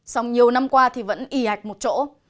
xong nhiều năm qua thì vẫn ý hạch một chỗ